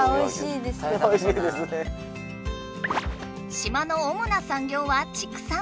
島のおもな産業は畜産。